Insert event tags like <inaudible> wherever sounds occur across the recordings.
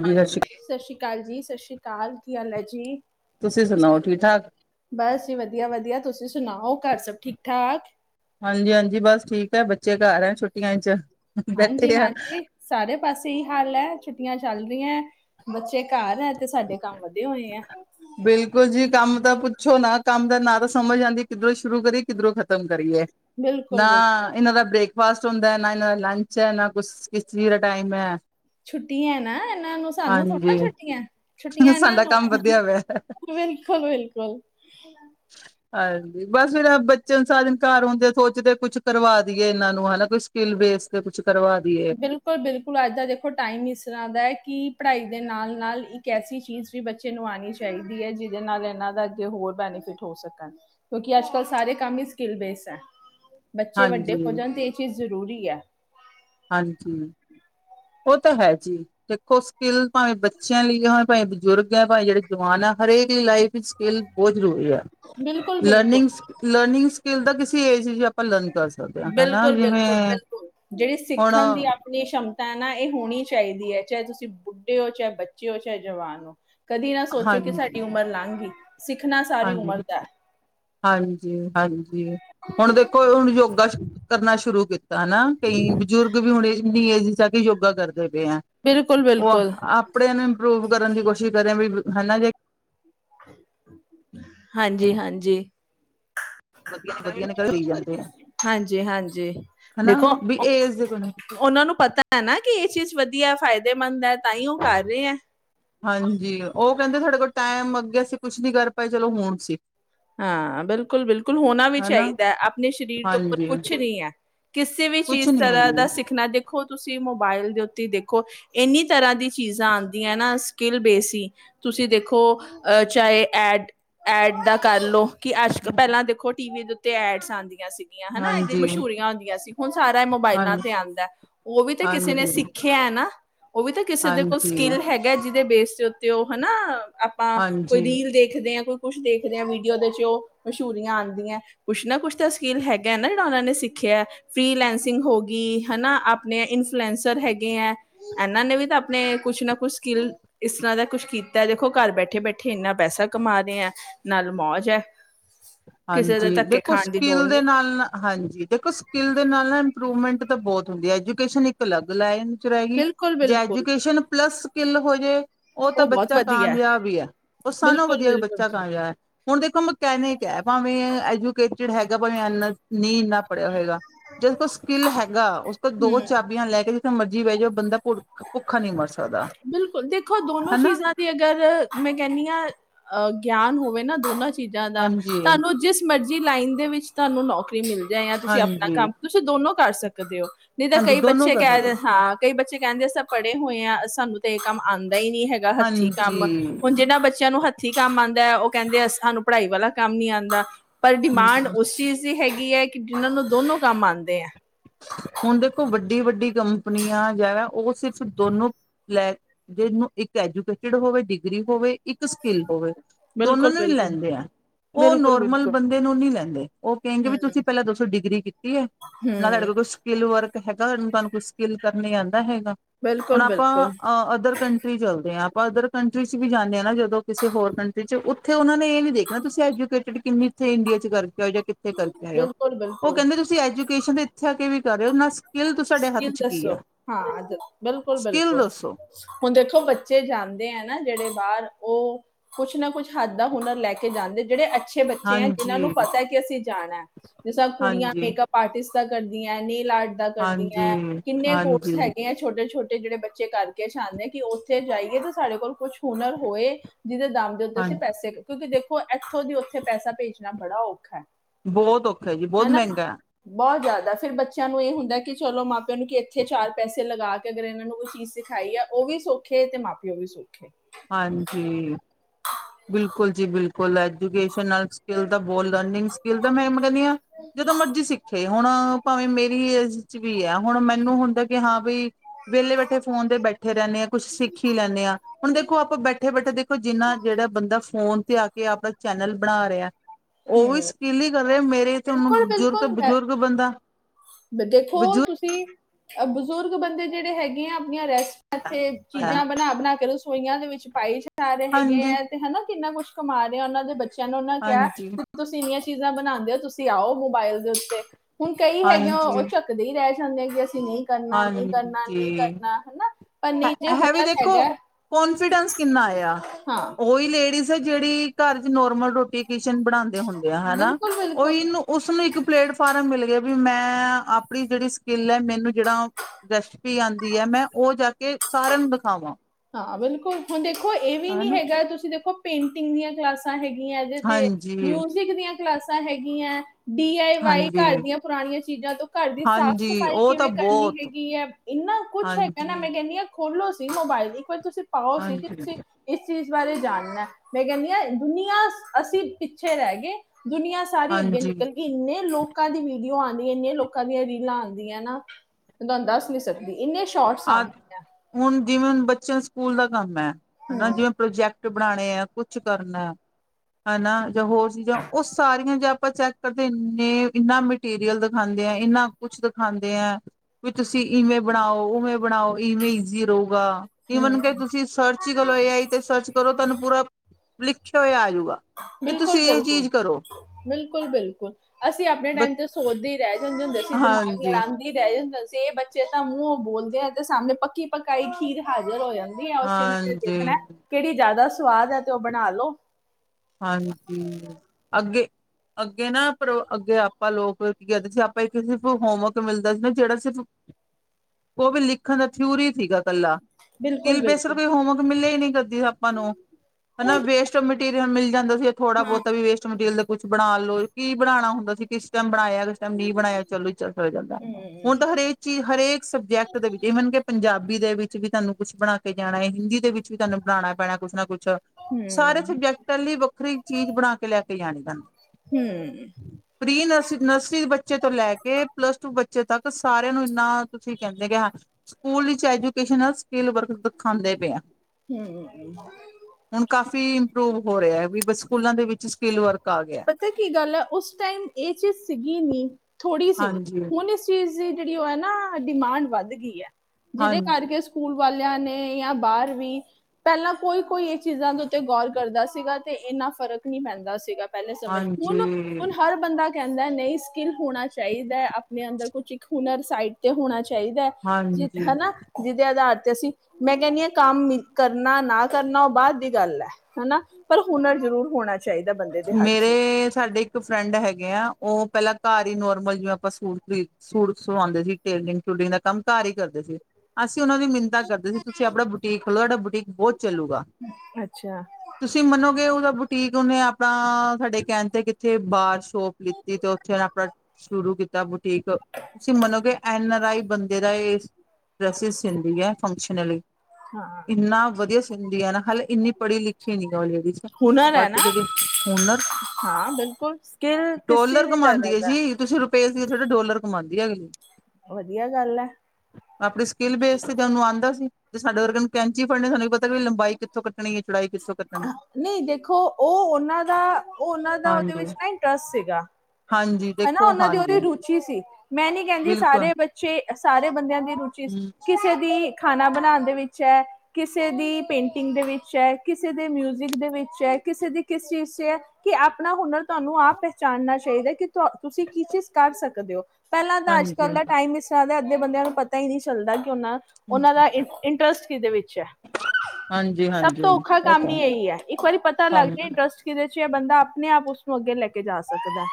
ਹਾਂਜੀ ਹਾਂ ਜੀ, ਸ਼੍ਰੀ ਅਕਾਲ ਸਤਿ ਸ਼੍ਰੀ ਅਕਾਲ ਜੀ, ਸਤਿ ਸ਼੍ਰੀ ਅਕਾਲ ਕੀ ਹਾਲ ਹੈ ਜੀ? ਤੁਸੀਂ ਸੁਣਾਓ ਠੀਕ-ਠਾਕ? ਬਸ ਜੀ ਵਧੀਆ ਵਧੀਆ, ਤੁਸੀਂ ਸੁਣਾਓ ਘਰ ਸਭ ਠੀਕ-ਠਾਕ? ਹਾਂਜੀ ਹਾਂਜੀ, ਬਸ ਠੀਕ ਐ, ਬੱਚੇ ਘਰ ਐ ਛੁੱਟੀਆਂ ਚ। ਹਾਂਜੀ ਬੈਠੇ ਆ ਹਾਂਜੀ, ਸਾਰੇ ਪਾਸੇ ਇਹੀ ਈ ਹਾਲ ਏ, ਛੁੱਟੀਆਂ ਚੱਲ ਰਹੀਆਂ। ਬੱਚੇ ਘਰ ਐ ਤੇ ਸਾਡੇ ਕੰਮ ਵਧੇ ਹੋਏ ਐਂ। ਬਿਲਕੁਲ ਜੀ, ਕੰਮ ਤਾਂ ਪੁੱਛੋ ਨਾ ਕੰਮ ਦਾ ਨਾ ਤਾਂ ਸਮਝ ਆਉਂ ਕਿੱਧਰੋਂ ਸ਼ੁਰੂ ਕਰੀਏ, ਕਿੱਧਰੋਂ ਖ਼ਤਮ ਕਰੀਏ? ਬਿਲਕੁਲ ਨਾ ਬਿਲਕੁਲ। ਇਹਨਾਂ ਦਾ ਬ੍ਰੇਕ ਫਾਸਟ ਹੁੰਦਾ ਨਾ, ਲੰਚ ਐ ਨਾ ਕੁ ਕਿਸ ਚੀਜ ਦਾ ਟਾਈਮ ਐ। ਛੁੱਟੀਆਂ ਐ ਨਾ, ਇਹਨਾਂ ਨੂੰ ਸਾਨੂੰ ਥੋੜ੍ਹਾ ਨਾ ਹਾਂਜੀ ਛੁੱਟੀਆਂ। ਛੁੱਟੀਆਂ ਇਨ੍ਹਾਂ ਸਾਡਾ ਨੂੰ ਕੰਮ ਵਧੀਆ ਹੋਇਆ ਬਿਲਕੁਲ ਬਿਲਕੁਲ। ਹਾਂਜੀ ਬਸ ਫਿਰ ਬੱਚਏ ਸਾਰ ਦਿਨ ਘਰ ਆਉਂਦੇ ਸੋਚਦੇ ਕੁਛ ਕਰਵਾ ਦੀਈਏ ਇਹਨਾਂ ਨੂੰ ਹਨਾ ਕੁਛ ਸਕਿੱਲ ਬੇਸ ਤੇ ਕੁਝ ਕਰਵਾ ਦੀਏ। ਬਿਲਕੁਲ ਬਿਲਕੁਲ ਅੱਜ ਦਾ ਦੇਖੋ ਟਾਈਮ ਇਸ ਤਰ੍ਹਾਂ ਦਾ ਐ ਕਿ ਪੜ੍ਹਾਈ ਦੇ ਨਾਲ-ਨਾਲ ਇੱਕ ਐਸੀ ਚੀਜ਼ ਬੱਚੇ ਨੂੰ ਆਣੀ ਚਾਈਦੀ ਐ, ਜਿਹਦੇ ਨਾਲ ਇਹਨਾਂ ਦਾ ਅੱਗੇ ਹੋਰ ਬੈਨੀਫਿਟ ਹੋ ਸਕਣ। ਕਿਉਂਕਿ ਅੱਜ-ਕੱਲ੍ਹ ਸਾਰੇ ਕੰਮ ਹੀ ਸਕਿੱਲ ਬੇਸ ਐ ਬੱਚੇ ਵੱਡੇ ਹਾਂਜੀ ਹੋ ਜਾਣ ਤੇ ਇਹ ਚੀਜ਼ ਜ਼ਰੂਰੀ ਐ। ਹਾਂਜੀ। ਹ <inaudible> ਉਹ ਤਾਂ ਹੈ ਜੀ, ਦੇਖੋ ਸਕਿੱਲ ਭਾਵੇਂ ਬੱਚਿਆਂ ਲਈ ਹੁਣ ਭਾਐਂ ਬਜ਼ੁਰਗ ਭਾਐਂ ਜਿਹੜੇ ਜਵਾਨ ਏ, ਹਰੇਕ ਲਈ ਲਾਈਫ ਵਿੱਚ ਸਕਿੱਲ ਬਹੁਤ ਜ਼ਰੂਰੀ ਐ। ਬਿਲਕੁਲ-ਬਿਲਕੁਲ, ਲਰਨਿੰਗ ਸ ਲਰਨਿੰਗ ਸਕਿੱਲ ਦਾ ਕਿਸੇ ਏਜ ਪੱਲਣ ਕਰ ਸਕਦੇ ਹਾਂ ਹਨਾ, ਬਿਲਕੁਲ-ਬਿਲਕੁਲ, ਬਿਲਕੁਲ ਬਿਲਕੁਲ ਜਿਵੇਂ ਹੁਣ ਆਪਨੀ ਸ਼ਮਤਾ ਏ ਨਾ, ਇਹ ਹੋਣੀ ਚਾਈਦੀ ਐ, ਚਾਹੇ ਤੁਸੀਂ ਬੁੱਢੇ ਓ, ਚਾਹੇ ਬੱਚੇ ਹੋ ਚਾਹੇ ਜਵਾਨ ਓ। ਕਦੀ ਨਾ ਸੋਚੋ ਕਿ ਸਾਡੀ ਹਾਂਜੀ ਉਮਰ ਲੰਘਗੀ ਸਿੱਖਣਾ ਸ ਹਾਂਜੀ ਹਾਂਜੀ ਹਾਂਜੀ, ਹੁਣ ਦੇਖੋ ਹੁਣ ਯੋਗਾ ਚ ਕਰਨਾ ਸ਼ੁਰੂ ਕੀਤਾ ਹਨਾ! ਕਈ ਬਜ਼ੁਰਗ ਵੀ ਹੁਣੇ ਇਹ ਏਜ ਚ ਆਕੇ ਯੋਗਾ ਕਰਦੇ ਪਏ ਆ, ਉਹ ਆਪ। ਬਿਲਕੁਲ-ਬਿਲਕੁਲ, ਕੱਪੜਿਆਂ ਨੂੰ ਇੰਪਰੂਵ ਕਰਨ ਦੀ ਕੋਸ਼ਿਸ਼ ਕਰਹਾ ਵੀ ਹਨਾਂ, ਜੇ। ਹਾਂਜੀ ਹਾਂਜੀ। ਵਧੀਆ ਨਿਕਲ ਰਹੀ ਜਾਂਦੇ ਆ ਹਾਂਜੀ ਹਾਂਜੀ, ਹਨਾ ਦੇਖੋ। ਵੀ ਏਜ ਦੇ ਉਹਨਾਂ ਨੂੰ ਪਤਾ ਐ ਨਾ ਕਿ ਇਹ ਚੀਜ਼ ਵਧੀਆ ਫਾਇਦੇਮੰਦ ਐ ਤਾਂ ਹੀ ਉਹ ਕਰ ਰੇ ਐ। ਹਾਂਜੀ ਉਹ ਕਹਿੰਦੇ ਤੁਹਾਡੇ ਕੋਲ ਟਾਈਮ ਅੱਗੇ ਸੀਂ ਕੁੱਛ ਨ੍ਹੀਂ ਕਰ ਪਾਏ, ਚਲੋ ਹੁਣ ਸੀ। ਹਾਂ, ਬਿਲਕੁਲ ਬਿਲਕੁਲ ਹੋਣਾ ਵੀ ਹਨਾ ਚਾਹੀਦਾ, ਆਪਣੇ ਸਰੀਰ ਤੋਂ ਉੱਪਰ ਹਾਂਜੀ ਕੁਛ ਨਹੀਂ ਹੈ। ਕਿਸੇ ਵੀ ਕੁਛ ਚੀਜ਼ ਨੀ ਹੈ ਤਰਾਂ ਦਾ ਜੀ ਸਿੱਖਣਾ, ਦੇਖੋ ਤੁਸੀਂ ਮੋਬਾਇਲ ਦੇ ਉੱਤੇ ਦੇਖੋ ਇੰਨੀ ਤਰ੍ਹਾਂ ਦੀ ਚੀਜ਼ਾਂ ਆਉਂਦੀਆਂ ਨਾ, ਸਕਿੱਲ ਬੇਸਿਸ ਤੁਸੀਂ ਦੇਖੋ ਅ ਚਾਹੇ ਐਡ, ਐਡ ਦਾ ਕਰਲੋ, ਕਿ ਅੱਜ ਪਹਿਲਾਂ ਦੇਖੋ ਟੀ ਵੀ ਦੇ ਉੱਤੇ ਐਡਸ ਆਉਂਦੀਆਂ ਸੀ। ਹਨਾ ਇਹ ਹਾਂਜੀ ਹਾਂ ਮਸ਼ਹੂਰੀਆਂ ਹੁੰਦੀਆਂ ਸੀ, ਹੁਣ ਸਾਰਾ ਇਹ ਮੋਬਾਇਲਾਂ ਤੇ ਆਉਂਦਾ ਹੈ। ਉਹ ਵੀ ਤੇ ਕਿਸੇ ਨੇ ਹਾਂਜੀ ਸਿੱਖਿਆ ਸਿੱਖਿਆ ਹੈ ਨਾ, ਉਹ ਵੀ ਤਾਂ ਕਿਸੇ ਦੇ ਕੋਲ ਹਾਂਜੀ ਸਕਿੱਲ ਹੈਗਾ ਜਿਹਦੇ ਬੇਸ ਦੇ ਉੱਤੇ ਉਹ, ਹਨਾ ਆਪਾਂ ਕੋਈ ਹਾਂਜੀ ਰੀਲ ਦੇਖਦੇ ਹਾਂ, ਕੋਈ ਕੁੱਛ ਦੇਖ ਜਿਹੜੀਆਂ ਵੀਡੀਓ ਦੇ 'ਚੱ ਉਹ ਮਸ਼ਹੂਰੀਆਂ ਆਉਂਦੀਆਂ, ਕੁੱਛ ਨਾ ਕੁੱਛ ਤਾਂ ਸਕਿੱਲ ਹੈਗਾ ਨਾ, ਜਿਹੜਾ ਉਹਨਾਂ ਨੇ ਸਿੱਖਿਆ ਫੀ੍ਰਲੈਂਸਿੰਗ ਹੋ ਗਈ ਹਨਾ, ਆਪਣੇ ਇਨਫਲੂਐਂਸਰ ਹੈਗੇ ਹੈ। ਇਹਨਾਂ ਨੇ ਵੀ ਤਾਂ ਆਪਣੇ ਕੁੱਛ ਨਾ ਕੁੱਛ ਸਕਿੱਲ ਇਸ ਤਰ੍ਹਾਂ ਦਾ ਕੁੱਛ ਕੀਤਾ ਦੇਖੋ, ਘਰ ਬੈਠੇ ਬੈਠੇ ਇੰਨਾ ਪੈਸਾ ਕਮਾ ਰਹੇ ਆ। ਨਾਲ ਮੌਜ ਹੈ। ਕਿਸੇ ਦੇ ਹਾਂਜੀ, ਧੱਕੇ ਦੇਖੋ ਖਾਣ ਦੀ ਲੋੜ ਸਕਿੱਲ ਦੇ ਨਹੀਂ ਨਾਲ ਨਾਲ ਹਾਂਜੀ, ਦੇਖੋ ਸਕਿੱਲ ਦੇ ਨਾਲ ਨਾ ਇੰਪਰੂਵਮੈਂਟ ਤਾਂ ਬਹੁਤ ਹੁੰਦੀ ਹੈ, ਐਜੂਕੇਸ਼ਨ ਇੱਕ ਅਲੱਗ ਲਾਈਨ 'ਚੱ ਰਹੇਗੀ, ਬਿਲਕੁਲ ਜੇ ਬਿਲਕੁਲ ਐਜੂਕੇਸ਼ਨ ਪਲੱਸ ਸਕਿੱਲ ਹੋ ਜੇ ਉਹ ਤਾਂ ਬੱਚਾ ਕਾਮਯਾਬ ਹੀ ਹੈ, ਉਹ ਸਾਰੇ ਨਾਲੋ ਬਿਲਕੁਲ ਵਧੀਆ, ਬਿਲਕੁਲ ਬੱਚਾ ਕਾਮਯਾਬ ਹੈ। ਹੁਣ ਦੇਖੋ ਮਕੈਨਿਕ ਠੀਕ ਹੈ, ਭਾਵੇਂ ਐਜੂਕੇਟਿਡ ਹੈਗਾ, ਭਾਵੇਂ ਇੰਨਾ ਨੀ ਨਾ ਪੜਿਆ ਹੋਏਗਾ, ਜਿਸ ਕੋਲ ਸਕਿੱਲ ਹੈਗਾ, ਉਸ ਕੋਲ ਦੋ ਹਮ ਚਾਬੀਆਂ ਲੈ ਕੇ ਜਿਥੇ ਮਰਜ਼ੀ ਬਹਿਜੇ, ਉਹ ਬੰਦਾ ਭੁੱਖਾ ਨੀ ਮਰਦਾ। ਬਿਲਕੁੱਲ, ਦੇਖੋ ਦੋਨੋ ਚੀਜ਼ਾਂ ਦੀ ਅਗਰ ਮੈਂ ਕਹਿੰਦੀ ਹਾਂ, ਅਹ ਗਿਆਨ ਹੋਵੇ ਨਾ ਦੋਨਾਂ ਚੀਜ਼ਾਂ ਦਾ, ਹਾਂਜੀ ਤੁਹਾਨੂੰ ਜਿਸ ਮਰਜ਼ੀ ਲਾਈਨ ਦੇ ਵਿੱਚ ਤੁਹਾਨੂੰ ਨੌਕਰੀ ਮਿਲ ਜਾਏ ਜਾਂ ਤੁਸੀਂ ਆਪਣਾ ਕੰਮ, ਹਾਂਜੀ ਤੁਸੀਂ ਦੋਨੋ ਕਰ ਸਕਦੇ ਹੋ। ਨਹੀਂ ਤਾਂ ਹਾਂਜੀ ਕਈ ਦੋਨੋ ਬੱਚੇ ਕਰ ਸਕਦੇ ਕਹਿ ਹਾਂ ਕਈ ਬੱਚੇ ਕਹਿੰਦੇ, ਅਸੀਂ ਪੜ੍ਹੇ ਹੋਏ ਹਾਂ, ਸਾਨੂੰ ਤੇ ਇਹ ਕੰਮ ਆਉਂਦਾ ਹੀ ਨਹੀਂ ਹੈਗਾ ਹੱਥੀ ਹਾਂਜੀ ਕੰਮ, ਹੁਣ ਜਿਹਨਾਂ ਬੱਚਿਆਂ ਨੂੰ ਹੱਥੀ ਕੰਮ ਆਉਂਦਾ ਹੈ ਉਹ ਕਹਿੰਦੇ ਆ, ਸਾਨੂੰ ਪੜ੍ਹਾਈ ਵਾਲਾ ਕੰਮ ਨਹੀਂ ਆਉਂਦਾ। ਪਰ ਡਿਮਾਂਡ ਹਮ ਉਸ ਚੀਜ਼ ਹੈਗੀ ਹੈ ਕਿ, ਜਿਨਾਂ ਨੂੰ ਦੋਨੋ ਕੰਮ ਆਉਂਦੇ ਆ। ਹੁਣ ਦੇਖੋ ਵੱਡੀ ਵੱਡੀ ਕੰਪਨੀਆਂ ਜਾਂ ਵਾ ਉਹ ਸਿਰਫ ਦੋਨੋ ਲੈ ਜਿਹਨੂੰ ਇੱਕ ਐਜੂਕੇਟਿਡ ਹੋਵੇ, ਡਿਗਰੀ ਹੋਵੇ ਇੱਕ ਇੱਕ ਸਕਿੱਲ ਹੋਵੇ, ਦੋਨਾਂ ਬਿਲਕੁਲ ਨੂੰ ਹੀ ਬਿਲਕੁਲ ਲੈਂਦੇ ਆ। ਉਹ ਬਿਲਕੁਲ ਨੋਰਮਲ ਬਿਲਕੁਲ ਬੰਦੇ ਨੂੰ ਨਹੀਂ ਲੈਂਦੇ, ਉਹ ਕਹਿੰਦੇ ਵੀ ਹੂੰ ਤੁਸੀਂ ਪਹਿਲਾਂ ਦੱਸੋ ਡਿਗਰੀ ਕੀਤੀ ਹੈ। ਨਾ ਹੂੰ ਤੁਹਾਡੇ ਕੋਲ ਕੁੱਛ ਸਕਿੱਲ ਵਰਕ ਹੈਗਾ, ਤੁਹਾਨੂੰ ਕੁੱਛ ਸਕਿੱਲ ਕਰਨਾ ਆਉਂਦਾ ਹੈਗਾ? ਹੁਣ ਬਿਲਕੁਲ ਬਿਲਕੁਲ ਆਪਾਂ, ਅਦਰ ਕੰਟਰੀ ਚੱਲਦੇ ਹਾਂ, ਆਪਾਂ ਅਦਰ ਕੰਟਰੀ 'ਚੱ ਵੀ ਜਾਂਦੇ ਹਾਂ ਨਾ ਜਦੋਂ, ਕਿਸੇ ਹੋਰ ਕੰਟਰੀ 'ਚ, ਉੱਥੇ ਉਹਨਾਂ ਨੇ ਇਹ ਨੀ ਦੇਖਣਾ ਤੁਸੀਂ ਐਜੂਕੇਟਿਡ ਕਿੰਨੀ ਇੱਥੇ ਇੰਡੀਆ 'ਚ ਕਰਕੇ ਆਇਓ ਜਾਂ ਕਿੱਥੇ ਕਰਕੇ ਆਇਓ, ਬਿਲਕੁਲ ਉਹ ਬਿਲਕੁਲ ਕਹਿੰਦੇ ਤੁਸੀਂ ਐਜੂਕੇਸ਼ਨ ਦੇ ਇੱਥੇ ਆ ਕੇ ਵੀ ਕਰ ਰਹੇ ਹੋ ਨਾ ਸਕਿੱਲ ਤ ਤੁਹਾਡੇ ਹੱਥ ਸਕਿੱਲ 'ਚ ਕੀ ਦੱਸੋ ਆ, ਹਾਂ ਦ- ਬਿਲਕੁਲ ਸਕਿੱਲ ਬਿਲਕੁਲ ਦੱਸੋ? ਹੁਣ ਦੇਖੋ, ਬੱਚੇ ਜਾਂਦੇ ਹੈ ਨਾ ਜਿਹੜੇ ਬਾਹਰ ਉਹ ਕੁੱਛ ਨਾ ਕੁੱਛ ਹੱਥ ਦਾ ਹੁਨਰ ਲੈ ਕੇ ਜਾਂਦੇ, ਜਿਹੜੇ ਅੱਛੇ ਅੱਛੇ ਬੱਚੇ ਹੈ ਹਾਂਜੀ ਜਿਹਨਾਂ ਨੂੰ ਪਤਾ ਹੈ ਕਿ ਅਸੀਂ ਜਾਣਾ, ਜਿਸ ਤਰਾਂ ਕੁੜੀਆਂ ਹਾਂਜੀ ਮੇਕਅੱਪ ਆਰਟਿਸਟ ਦਾ ਕਰਦੀਆਂ ਨੇਲ ਆਰਟ ਦਾ ਕਰਦੀਆਂ, ਹਾਂਜੀ ਕਿੰਨੇ ਕੋਰਸ ਹਾਂਜੀ ਹੈਗੇ ਹੈ ਛੋਟੇ ਛੋਟੇ ਜਿਹੜੇ ਬੱਚੇ ਕਰਕੇ ਜਾਂਦੇ ਆ ਕਿ, ਉੱਥੇ ਜਾਈਏ ਤੇ ਸਾਡੇ ਕੋਲ ਕੁੱਛ ਹੁਨਰ ਹੋਏ। ਜਿਹਦੇ ਦਮ ਦੇ ਉੱਤੇ ਅਸੀਂ ਹਾਂਜੀ ਪੈਸੇ, ਕਿਉਂਕਿ ਦੇਖੋ ਇੱਥੋਂ ਦੀ ਉੱਥੇ ਪੈਸਾ ਭੇਜਣਾ ਬੜਾ ਔਖਾ ਹੈ। ਬਹੁਤ ਔਖਾ ਜੀ, ਬਹੁਤ ਹਨਾ ਮਹਿੰਗਾ ਬਹੁਤ ਜ਼ਿਆਦਾ, ਫਿਰ ਬੱਚਿਆਂ ਨੂੰ ਇਹ ਹੁੰਦਾ ਕਿ, ਚਲੋ ਮਾਪਿਓ ਨੂੰ ਇੱਥੇ ਚਾਰ ਪੈਸੇ ਲਗਾ ਕੇ ਅਗਰ ਇਹਨਾਂ ਨੂੰ ਕੋਈ ਚੀਜ਼ ਸਿਖਾਈ ਹੈ ਉਹ ਵੀ ਸੋਖੇ ਖੇ ਦੇ ਤੇ ਮਾਂ- ਪਿਓ ਵੀ ਸੌਖੇ ਹਾਂਜੀ, ਬਿਲਕੁਲ ਜੀ, ਬਿਲਕੁਲ ਏ। ਐਜੂਕੇਸ਼ਨ ਨਾਲ ਸਕਿਲ ਦਾ, ਬੋਲ ਲਰਨਿੰਗ ਸਕਿਲ ਦਾ ਮੈਂ ਕਹਿੰਦੀ ਹਾਂ, ਜਦੋਂ ਮਰਜ਼ੀ ਸਿੱਖੇ ਹੁਣ। ਭਾਵੇਂ ਮੇਰੀ ਏਜ 'ਚ ਵੀ ਹੈ, ਹੁਣ ਮੈਨੂੰ ਹੁੰਦਾ ਕਿ ਹਾਂ ਭਈ ਵਿਹਲੇ ਬੈਠੇ ਫ਼ੋਨ 'ਤੇ ਬੈਠੇ ਰਹਿੰਨੇ, ਕੁਝ ਸਿੱਖ ਹੀ ਲੈਂਨੇ ਹਾਂ। ਹੁਣ ਦੇਖੋ, ਆਪਾਂ ਬੈਠੇ-ਬੈਠੇ ਦੇਖੋ, ਜਿਨ੍ਹਾਂ ਜਿਹੜਾ ਬੰਦਾ ਫ਼ੋਨ ਤੇ ਆ ਕੇ ਆਪਣਾ ਚੈਨਲ ਬਣਾ ਰਿਹਾ ਹੂੰ ਓਹੀ ਸਕਿੱਲ ਹੀ ਕਰੇ, ਮੇਰੇ ਤੋਂ, ਬਿਲਕੁਲ ਬਿਲਕੁਲ ਮੈਂ ਬਜ਼ੁਰਗ-ਬਜ਼ੁਰਗ ਬੰਦਾ। ਦੇਖੋ, ਬਜ਼ੁਰਗ ਤੁਸੀਂ, ਬਜ਼ੁਰਗ ਬੰਦੇ ਜਿਹੜੇ ਹੈਗੇ ਆ, ਆਪਣੀਆਂ ਰੈਸਟ ਇੱਥੇ ਹੈ ਚੀਜ਼ਾਂ, ਬਣਾ-ਬਣਾ ਕੇ ਰਸੋਈਆਂ ਦੇ ਵਿੱਚ, ਪਾਈ ਜਾ ਰਹੇ ਹੈਗੇ ਹਾਂਜੀ ਹੈ। ਤੇ ਹਨਾ ਕਿੰਨਾ ਕੁਛ ਕਮਾ ਰਿਹਾ ਉਹਨਾਂ ਦੇ ਬੱਚਿਆਂ ਨੂੰ ਉਹਨਾਂ ਕਿਹਾ ਹਾਂਜੀ ਤੁਸੀਂ ਇੰਨੀਆਂ ਚੀਜ਼ਾਂ ਬਣਾਉਦੇ ਓ, ਤੁਸੀਂ ਆਓ ਮੋਬਾਇਲ ਦੇ ਉੱਤੇ। ਹੁਣ ਕਈ ਹੈਗੇ ਆ, ਉਹ ਹਾਂਜੀ ਝੱਕਦੇ ਹੀ ਰਹਿ ਜਾਂਦੇ ਹੈਗੇ, ਅਸੀਂ ਨਈ। ਕਰਨਾ ਨਈਂ ਕਰਨਾ, ਨਈਂ ਹਾਂਜੀ ਕਰਨਾ ਹਨਾਂ? ਪਰ ਨਈਂ ਜੇ ਹੁਨਰ ਹੈਗਾ ਕੋਨਫੀਡੈਂਸ ਕਿੰਨਾ ਆਇਆ ਹਾਂ ਓਹੀ ਲੇਡੀਜ਼ ਤੇ ਜੇੜੀ ਘਰ ਚ ਨੋਰਮਲ ਰੋਟੀ ਕਿਚਨ ਬਣਾਂਦੇ ਹੁੰਦੇ ਆ ਹਨਾਂ ਬਿਲਕੁਲ ਓ ਬਿਲਕੁਲ ਇਨੂੰ ਉਸਨੂੰ ਇੱਕ ਪਲੇਟਫਾਰਮ ਮਿਲ ਗਿਆ ਵੀ ਮੈਂ ਆਪਣੀ ਜਿਹੜੀ ਸਕਿੱਲ ਐ ਮੈਨੂੰ ਜਿਹੜਾ ਰੈਸਪੀ ਆਂਦੀ ਹੈ ਮੈਂ ਉਹ ਜਾ ਕੇ ਸਾਰਿਆਂ ਨੂੰ ਦਿਖਾਵਾਂ। ਹਾਂ ਬਿਲਕੁਲ, ਹੁਣ ਦੇਖੋ ਇਹ ਵੀ ਨੀ ਹਨਾ ਹੈਗਾ ਤੁਸੀਂ ਦੇਖੋ ਪੇਂਟਿੰਗ ਦੀਆਂ ਕਲਾਸਾਂ ਸਾਂ ਹੈਗੀਆਂ ਏਦੇ ਤੇ ਹਾਂਜੀ ਮਿਊਜਿਕ ਦੀਆਂ ਕਲਾਸਾਂ ਹੈਗੀਆਂ। ਡੀ ਆਈ ਵਾਈ ਘਰ ਹਾਂਜੀ ਦੀਆਂ ਪੁਰਾਣੀਆਂ ਚੀਜ਼ਾਂ ਤੋਂ ਘਰ ਦੀ ਹਾਂਜੀ ਸਾਫ਼-ਸਫ਼ਾਈ ਉਹ ਤਾਂ ਕਿਵੇਂ ਕਰਨੀ ਬਹੁਤ ਹੈਗੀ ਐ। ਇੰਨਾ ਕੁਛ ਹੈਗਾ ਨਾ ਹਾਂਜੀ ਮੈਂ ਕਿੰਨੀ ਐ ਹਾਂ ਖੋਲੋ ਸੀ ਮੋਬਾਇਲ ਇੱਕ ਵਾਰੀ ਤੁਸੀਂ ਪਾਓ ਸੀ ਕਿ ਤੁਸੀਂ ਹਾਂਜੀ, ਇਸ ਚੀਜ਼ ਬਾਰੇ ਜਾਣਨਾ ਮੈਂ ਕੈਣੀ ਆਂ ਦੁਨੀਆਂ ਅਸੀਂ ਪਿੱਛੇ ਰੈਗੇ ਦੁਨੀਆਂ ਸਾਰੀ ਅੱਗੇ ਹਾਂਜੀ ਨਿਕਲ ਗ ਇੰਨੇ ਲੋਕਾਂ ਦੀ ਵੀਡੀਓ ਆਂਦੀ ਇੰਨੇ ਲੋਕਾਂ ਦੀਆਂ ਰੀਲਾਂ ਆਂਦੀਆਂ ਨਾਂ ਮੈਂ ਤਾਨੂੰ ਦੱਸ ਨੀਂ ਸਕਦ ਇੰਨੇ ਸ਼ੋਰਟਸ ਆਂ। ਆ ਹੁਣ ਜਿਵੇਂ ਹੁਣ ਬੱਚਿਆਂ ਸਕੂਲ ਦਾ ਕੰਮ ਐ ਹਨਾਂ ਜਿਵੇਂ ਪ੍ਰੋਜੈਕਟ ਬਣਾਣੇ ਆ, ਕੁਛ ਕਰਨਾ ਹਨਾਂ ਜਾਂ ਹੋਰ ਚੀਜ਼ਾਂ ਓ ਸਾਰੀਆਂ ਜੇ ਆਪਾਂ ਚੈੱਕ ਕਦੇ ਇਨੇ ਇੰਨਾਂ ਮਟੀਰੀਅਲ ਦਿਖਾਂਦੇ ਐ, ਇੰਨਾ ਕੁਛ ਦਿਖਾਂਦੇ ਐ। ਵੀ ਤੁਸੀਂ ਇਵੇਂ ਬਣਾਓ ਬਣਾਓ ਇਵੇਂ ਇਆ ਜ਼ੀ ਰਹੂਗਾ ਈਵਨ ਕਿ ਹਮ ਤੁਸੀਂ ਸਰਚ ਹੀ ਕਰਲੋ ਆ ਈ ਤੇ ਸਰਚ ਕਰੋ ਤਾਨੂੰ ਪੂਰਾ ਲਿਖਿਆ ਹੋਇਆ ਆਜੂਗਾ ਕਿ ਬਿਲਕੁਲ ਤੁਸੀਂ ਇਹ ਬਿਲਕੁਲ ਚੀਜ਼ ਕਰੋ। ਬਿਲਕੁਲ, ਬਿਲਕੁਲ ਅਸੀਂ ਆਪਣੇ ਬ ਟੈਮ ਤੇ ਸੋਚਦੇ ਈ ਰੈ ਜਾਂਦੇ ਹੁੰਦੇ ਸੀ ਦਿਮਾਗ ਹਾਂਜੀ, ਲੜਾਂਦੀ ਰਹਿ ਜਾਂਦਾ ਸੀ, ਇਹ ਬੱਚੇ ਤਾਂ ਮੂਹੋ ਬੋਲਦੇ ਆ ਤੇ ਸਾਹਮਣੇ ਪੱਕੀ ਪੱਕਾਈ ਖੀਰ ਹਾਜ਼ਰ ਹੋ ਜਾਂਦਾ ਏ। ਉਸ ਚ ਉਹਨੇ ਫਿਰ ਦੇਖਣਾ ਹਾਂਜੀ। ਕਿਹੜੀ ਜ਼ਿਆਦਾ ਸਵਾਦ ਹੈ ਤੇ ਉਹ ਬਣਾ ਲੋ। ਹਾਂਜੀ, ਅੱਗੇ ਅੱਗੇ ਨਾ ਪਰ ਅੱਗੇ ਆਪਾਂ ਲੋਕ ਕੀ ਕਹਦੇ ਸੀ ਆਪਾਂ ਇੱਕ ਸਿਰਫ ਹੋਮਵਰਕ ਮਿਲਦਾ ਸੀ ਨਾ ਜਿਹੜਾ ਸਿਰਫ ਓ ਵੀ ਲਿਖਣ ਦਾ ਥਿਊਰੀ ਸੀਗਾ ਕੱਲਾ। ਬਿਲਕੁਲ ਦਿਲ ਬੇਸਸ਼ਰਮ ਬਿਲਕੁਲ ਕੋਈ ਹੋਮਵਰਕ ਮਿਲਿਆ ਹੀ ਨਹੀਂ ਕਦੀ ਆਪਾਂ ਨੂੰ ਉਹ ਹਨਾ ਵੇਸਟ ਆਫ ਜੇ ਮਿਲ ਜਾਂਦਾ ਸੀ ਉਹ ਥੋੜਾ-ਬੋਤਾ ਵੀ ਵੇਸਟ ਮਟੀਰੀਅਲ ਕੁਛ ਬਣਾ ਲਓ ਕੀ ਬਣਾਣਾ ਹੁੰਦਾ ਸੀ ਕਿਸ ਟੈਮ ਬਣਾਇਆ। ਓਸ ਟੈਮ ਨੀ ਬਣਾਇਆ ਚਲੋ ਈ ਚਲ ਜਾਂਦਾ। ਹੁਣ ਹਮ ਤਾਂ ਹਰੇਕ ਚੀਜ਼, ਹਰੇਕ ਸਬਜੈਕਟ ਦੇ ਵਿੱਚ ਈਵਨ ਕਿ ਪੰਜਾਬੀ ਦੇ ਵਿੱਚ ਵੀ ਤੁਹਾਨੂੰ ਕੁਛ ਬਣਾ ਕੇ। ਜਾਣਾ, ਹਿੰਦੀ ਦੇ ਵਿੱਚ ਵੀ ਤੁਹਾਨੂੰ ਪੜ੍ਹਾਉਣਾ ਪੈਣਾ ਕੁਛ ਨਾ ਕੁੱਛ, ਹਮ ਸਾਰੇ ਸਬਜੈਕਟ। ਕੱਲੀ ਵੱਖਰੀ ਚੀਜ਼ ਬਣਾ ਕੇ ਲੈ ਕੇ ਜਾਣੀ ਆ ਤੁਹਾਨੂੰ ਪ੍ਰੀ ਨਰਸ ਨਰਸਰੀ ਬੱਚੇ ਤੋਂ ਲੈ ਕੇ ਪਲੱਸ ਟੂ ਬੱਚੇ ਤੱਕ ਸਾਰਿਆਂ ਨੂੰ ਇੰਨਾ ਤੁਸੀਂ ਕਹਿੰਦੇ ਕਿ ਸਕੂਲ ਵਿੱਚ ਐਜੂਕੇਸ਼ਨ ਨਾਲ ਸਕਿੱਲ ਵਰਕ ਖਾਦੇਂ ਪਏ। ਹਮ ਹਮ ਹੁਣ ਕਾਫੀ ਇੰਪਰੂਵ ਹੋ ਰਿਹਾ ਵੀ, ਸਕੂਲਾਂ ਦੇ ਵਿੱਚ ਸਕਿੱਲ ਵਰਕ ਆ ਗਿਆ। ਪਤਾ ਕੀ ਗੱਲ ਹੈ, ਉਸ ਟਾਈਮ ਇਹ ਚੀਜ਼ ਸੀਗੀ ਨੀ, ਥੋੜ੍ਹੀ ਸੀਗੀ, ਹਾਂਜੀ ਹੁਣ। ਚੀਜ਼ ਦੀ ਜਿਹੜੀ ਉਹ ਹੈ ਨਾ, ਡਿਮਾਂਡ ਵੱਧ ਗਈ ਹੈ, ਜਿਹਦੇ ਹਾਂਜੀ ਕਰਕੇ। ਸਕੂਲ ਵਾਲਿਆਂ ਨੇ, ਜਾਂ ਬਾਹਰ ਵੀ। ਪਹਿਲਾਂ ਕੋਈ- ਕੋਈ ਇਹ ਚੀਜ਼ਾਂ ਦੇ ਉੱਤੇ ਗੌਰ ਕਰਦਾ ਸੀਗਾ, ਤੇ ਇੰਨਾ ਫ਼ਰਕ ਨਹੀਂ ਪੈਂਦਾ ਸੀਗਾ। ਪਹਿਲੇ ਸਮੇਂ, ਹੁਣ ਹਾਂਜੀ -ਹੁਣ ਹਰ। ਬੰਦਾ ਕਹਿੰਦਾ ਨਹੀਂ ਸਕਿੱਲ ਹੋਣਾ ਚਾਹੀਦਾ, ਆਪਣੇ ਅੰਦਰ ਕੁਛ ਇੱਕ ਹੁਨਰ ਸਾਈਡ ਤੇ ਹੋਣਾ ਚਾਹੀਦਾ। ਚਾਹੀਦਾ ਹੈ, ਜਿਹਦਾ ਹਾਂਜੀ ਨਾ। ਜਿਹਦੇ ਆਧਾਰ ਤੇ ਅਸੀਂ, ਮੈਂ ਕਹਿੰਦੀ ਹਾਂ, ਕੰਮ ਕਰਨਾ ਨਾ ਕਰਨਾ ਉਹ ਬਾਅਦ ਦੀ ਗੱਲ ਹੈ। ਹਨਾ, ਪਰ ਹੁਨਰ ਜ਼ਰੂਰ ਹੋਣਾ ਚਾਹੀਦਾ। ਬੰਦੇ ਦੇ ਹੱਥ 'ਚ ਮੇਰੇ, ਸਾਡੇ ਇੱਕ ਫਰੈਂਡ ਹੈਗੇ ਆ, ਉਹ ਪਹਿਲਾਂ ਘਰ ਹੀ ਨੋਰਮਲ ਜਿਵੇਂ ਆਪਾਂ ਸੂਟ ਖਰੀਦ ਸੂਟ ਸਵਾਉਂਦੇ ਸੀ, ਟੇਲਰਿੰਗ ਟੂਲਿੰਗ ਦਾ ਕੰਮ ਘਰ ਹੀ ਕਰਦੇ ਸੀ, ਅਸੀਂ ਉਹਨਾਂ ਦੀ ਮਿੰ ਇੱਦਾਂ ਕਰਦੇ ਸੀ ਤੁਸੀਂ ਆਪਣਾ ਬੁਟੀਕ ਖੋਲੋ, ਤੁਹਾਡਾ ਬੁਟੀਕ ਬਹੁਤ ਚੱਲੂਗਾ। ਅੱਛਾ। ਤੁਸੀਂ ਮੰਨੋਗੇ ਉਹਦਾ ਬੁਟੀਕ ਉਹਨੇ ਆਪ ਆਪਣਾ, ਸਾਡੇ ਕਹਿਣ ਤੇ ਕਿੱਥੇ ਬਾਹਾਰ ਛੋਪ ਲਿੱਤੀ ਤੇ ਉੱਥੇ ਆਪਣਾ ਸ਼ੁਰੂ ਕੀਤਾ ਬੁਟੀਕ, ਤੁਸੀਂ ਮੰਨੋ ਕਿ ਐਨ ਆਰ ਆਈ ਬੰਦੇ ਦਾ ਇਹ, ਡਰੈਸਿਸ ਸੀਂਦੀ ਹੈ ਫੰਕਸ਼ਨਲੀ। ਹਾਂ ਇੰਨਾ ਵਧੀਆ ਸਿੰਧੀ ਹੈ ਨਾ, ਹਾਲੇ ਇੰਨੀ ਪੜ੍ਹੀ ਲਿਖੀ ਨਹੀਂ, ਲਰੇਡੀ, ਹੁਨਰ ਹੈ ਬਟ ਨਾ ਜਿਹੜੀ ਹੁਨਰ ਹਾਂ ਬਿਲਕੁਲ, ਸਕਿੱਲ ਕਿਸੇ ਡੋਲਰ ਵੀ ਤਰ੍ਹਾਂ ਕਮਾਉਂਦੀ ਹੈ ਦਾ। ਜੀ ਤੁਸੀਂ ਰੁਪਏ ਦੀ ਛੱਡੋ, ਡੋਲਰ ਕਮਾਉਂਦੀ ਅਗਲੀ। ਵਧੀਆ ਗੱਲ ਹੈ। ਆਪਣੀ ਸਕਿੱਲ ਬੇਸ ਤੇ ਜਾਨੂੰ ਆਉਂਦਾ ਸੀ। ਤੇ ਸਾਡੇ ਵਰਗਿਆ ਨੂੰ ਕੈਂਚੀ ਫੜੇ ਸਾਨ ਪਤਾ ਲੰਬਾਈ ਕਿੱਥੋਂ ਕਟਣੀ ਹੈ ਚੜਾਈ ਕਿਥੋਂ ਕੱਣੀ। ਨਹੀਂ ਦੇਖੋ, ਉਹ ਉਹਨਾਂ ਦਾ, ਉਹ ਉਹਨਾਂ ਦਾ, ਉਹਦੇ ਹਾਂਜੀ ਵਿੱਚ ਨਾ ਇੰਟਰਸਟ ਸੀਗਾ। ਹਾਂਜੀ। ਹਨਾ ਦੇਖੋ ਉਹਨਾਂ ਦੀ ਉਹਦੀ ਹਾਂਜੀ ਰੁਚੀ ਸੀ, ਮੈਂ ਨੀ ਕਹਿੰਦੀ ਬਿਲਕੁਲ ਸਾਰੇ ਬੱਚੇ, ਸਾਰੇ ਬੰਦਿਆਂ ਦੀ ਰੁਚੀ ਹਮ ਕਿਸੇ ਦੀ ਖਾਣਾ ਬਣਾਉਣ ਦੇ ਵਿੱਚ ਹੈ। ਕਿਸੇ ਦੀ ਪੇਂਟਿੰਗ ਦੇ ਵਿੱਚ ਹੈ, ਕਿਸੇ ਦੇ ਮਿਊਜ਼ਿਕ ਦੇ ਵਿੱਚ ਹੈ, ਕਿਸੇ ਦੀ ਕਿਸ ਚੀਜ਼ 'ਚ ਹੈ। ਕਿ ਆਪਣਾ ਹੁਨਰ ਤੁਹਾਨੂੰ ਆਪ ਪਹਿਚਾਣਨਾ ਚਾਹੀਦਾ, ਕਿ ਤੁਸੀਂ ਕੀ ਚੀਜ਼ ਕਰ ਸਕਦੇ ਹੋ? ਪਹਿਲਾਂ ਤਾਂ ਅੱਜ ਹਾਂਜੀ, ਕੱਲ ਦਾ ਟਾਈਮ ਅੱਧੇ ਬੰਦਿਆਂ ਨੂੰ ਪਤਾ ਹੀ ਨਹੀਂੀ ਚੱਲਦਾ, ਕਿ ਉਹਨਾ ਉਹਨਾਂ ਦਾ ਇੰਟਰਸਟ ਕਿਦੇ ਵਿੱਚ ਹੈ। ਸਭ ਹਾਂਜੀ-ਹਾਂਜੀ ਤੋਂ ਔਖਾ ਉਹ ਕੰਮ ਤਾਂ ਹੀ ਇਹੀ ਹੈ, ਇੱਕ ਵਾਰੀ ਪਤਾ ਲੱਗ ਜੇ ਹਾਂਜੀ। ਇੰਟਰਸਟ ਜਿਹਦੇ 'ਚ ਇਹ ਬੰਦਾ, ਆਪਣੇ ਆਪ ਉਸਨੂੰ ਅੱਗੇ ਲੈ ਕੇ ਜਾ ਸਕਦਾ।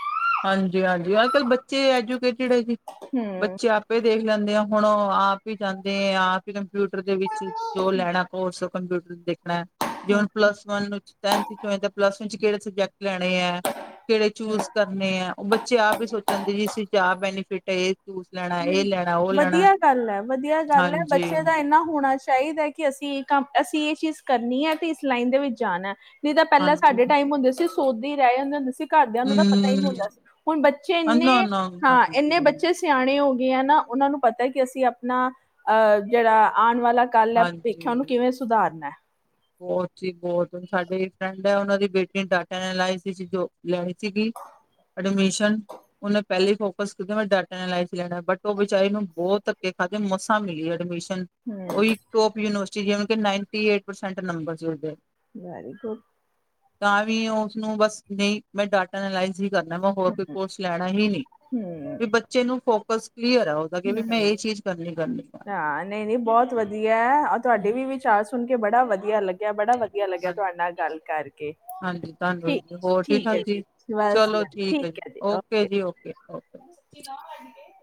ਹਾਂਜੀ -ਹਾਂਜੀ, ਅੱਜ ਕੱਲ੍ਹ ਬੱਚੇ ਐਜੂਕੇਟਡ ਹੈ ਜੀ, ਹਮ ਬੱਚੇ ਆਪ ਆਪੇ ਦੇਖ ਲੈਂਦੇ ਹਾਂ ਹੁਣ ਆਪ ਹੀ ਜਾਂਦੇ ਆ, ਆਪ ਹੀ ਕੰਪਿਊਟਰ ਦੇ ਵਿੱਚ ਜੋ ਲੈਣਾ ਕੋਰਸ ਕੰਪਿਊਟਰ ਦੇਖਣਾ, ਜੇ ਹਮ ਹੁਣ ਪਲੱਸ ਵਨ ਹੋ, ਪਲੱਸ ਟੂ ਚ'ਕਿਹੜੇ ਸਬਜੈਕਟ ਲੈਣੇ ਹੈ, ਕਿਹੜੇ ਹਮ ਚੂਜ ਕਰਨੇ ਹੈ? ਬੱਚੇ ਆਪ ਹੀ ਸੋਚ ਲੈਂਦੇ ਜੀ, ਇਸ 'ਚ ਆਹ ਬੈਨੀਫਿਟ ਚੂਜ ਲੈਣਾ ਇਹ ਲੈਣਾ ਉਹ ਲੈਣਾ ਵਧੀਆ ਗੱਲ ਹੈ, ਵਧੀਆ ਗੱਲ ਹੈ, ਹਾਂਜੀ, ਬੱਚੇ ਦਾ ਇੰਨਾ ਹੋਣਾ ਚਾਹੀਦਾ ਕਿ, ਅਸੀਂ ਇਹ ਕੰਮ ਅਸੀਂ ਇਹ ਚੀਜ਼ ਕਰਨੀ ਹੈ ਤੇ, ਇਸ ਲਾਈਨ ਦੇ ਵਿੱਚ ਜਾਣਾ। ਨਹੀਂ ਤਾਂ ਪਹਿਲਾਂ ਹਾਂਜੀ ਸਾਡੇ ਹੂੰ ਟਾਈਮ ਹੁੰਦੇ ਸੀ, ਸੋਚਦੇ ਹੀ ਰਹਿ ਜਾਂਦੇ ਹੁੰਦੇ ਸੀ। ਘਰਦਿਆਂ ਨੂੰ ਤਾਂ ਪਤਾ ਹੀ ਨਹੀਂੀ ਹੁੰਦਾ ਸੀ, ਹੁਣ ਬੱਚੇ ਇੰਨੇ ਨਾ-ਨਾ ਹਾਂ ਇੰਨੇ ਹਾਂਜੀ, ਬੱਚੇ ਸਿਆਣੇ ਹੋ ਗਏ ਆ ਨਾ, ਉਹਨਾਂ ਨੂੰ ਪਤਾ ਕਿ ਅਸੀਂ ਆਪਣਾ ਅਹ ਜਿਹੜਾ ਆਉਣ ਵਾਲਾ ਕਲ ਹੈ, ਵੇਖਿਆ ੳਹਨੂੰ ਹਾਂਜੀ। ਕਿਵੇਂ ਸੁਧਾਰਨਾ? ਬਹੁਤ ਸੀ ਬਹੁਤੁ, ਸਾਡਡੀੇ ਇਕ ਫਰੈਂਡ ਹੈ, ਉਹਨਾਂ ਦੀ ਬੇਟੀ ਡਾਟਾ ਐਨ ਸੀ ਵਿੱਚ ਜੋਬ ਲੈਣੀ ਸੀਗੀ। ਐਡਮਿਸ਼ਨ ਉਹਨੇ ਪਹਿਲੀ ਫੋਕਸ ਕੀਤੀ ਮੈਂ ਡਾਟਾ ਐਲ ਸੀ ਵਿੱਚ ਲੈਣਾ, ਬਟ ਉਹ ਵਿਚਾਰੇ ਨੂੰ ਬਹੁਤ ਧੱਕੇ ਖਾਧੇ, ਮਸਾਂ ਮਿਲੀ ਐਡਮਿਸ਼ਨ। ਹੂੰ, ਉਹੀ ਟੋਪ ਸੀ ਯੂਨੀਵਰਸਿਟੀ ਵਿਚ, ਨਾਈਟੀ ਐਟ ਪਰਸੈਂਟ ਨੰਬਰ ਸੀ ੳਹਦੇ ਵੈਰੀ ਗੁਡ। ਤਾਂ ਵੀ ਉਸਨੂੰ ਬਸ, ਨਹੀਂ ਮੈਂ ਡਾਟਾ ਐਨਾਲਇਜ਼ ਹੀ ਕਰਨਾ ਵਾ। ਹੋਰ ਕੋਈ ਹੂੰ, ਕੋਰਸ ਲੈਣਾ ਹੀ ਨਹੀਂੀ, ਵੀ ਬੱਚੇ ਨੂੰ ਫੋਕਸ ਕਲੀਅਰ ਆ। ਕਿ ਹਮ ਵੀ ਮੈਂ ਇਹ ਚੀਜ਼ ਕਰਨੀ ਕਰਨੀ ਆ ਹਾਂ, ਨਹੀਂ -ਨਹੀਂ ਬਹੁਤ ਵਧੀਆ ਤੁਹਾਡੇ ਹਮ ਵੀ ਵਿਚਾਰ ਸੁਣ ਕੇ ਬੜਾ ਵਧੀਆ ਲੱਗਿਆ, ਬੜਾ ਵਧੀਆ ਲੱਗਿਆ, ਹਾਂਜੀ ਤੁਹਾਡੇ ਨਾਲ ਗੱਲ ਕਰਕੇ। ਹਾਂਜੀ ਧੰਨਵਾਦ ਠੀ ਜੀ ਹੋਰ ਠੀਕ ਠਾਕ ਹੈ ਜੀ, ਬਸ ਚਲੋ ਬ ਠੀਕ ਹੈ, ਜੀ ਓਕੇ। ਜੀ ਓਕੇ ਕਿ ਨੋ ਵੱਜ ਗਏ?